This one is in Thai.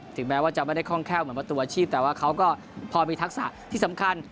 ถึงแม้ว่าจะไม่ได้คล่องแค่วเหมือนประตูอาชีพแต่ว่าเขาก็พอมีทักษะที่สำคัญ